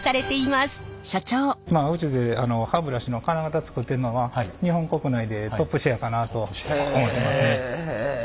まあうちで歯ブラシの金型作ってるのは日本国内でトップシェアかなと思ってますね。